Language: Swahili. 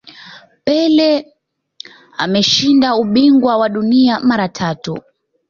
pele ameshinda ubingwa wa dunia mara tatu